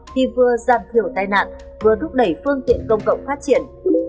thì vừa giảm thiểu tai nạn vừa thúc đẩy phương tiện công cộng phát triển